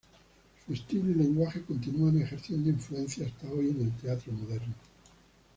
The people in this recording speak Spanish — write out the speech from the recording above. Su estilo y lenguaje continúan ejerciendo influencia hasta hoy en el teatro moderno.